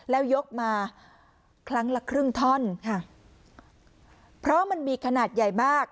แล้วยกมาครั้งละครึ่งท่อนค่ะเพราะมันมีขนาดใหญ่มาก